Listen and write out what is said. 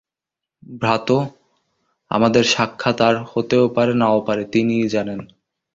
ভ্রাতঃ, আমাদের সাক্ষাৎ আর হতেও পারে, নাও পারে, তিনিই জানেন।